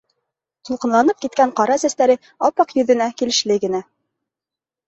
Тулҡынланып киткән ҡара сәстәре ап-аҡ йөҙөнә килешле генә.